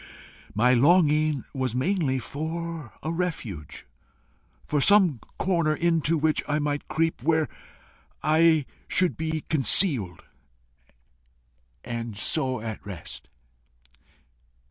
My longing was mainly for a refuge, for some corner into which I might creep, where I should be concealed and so at rest.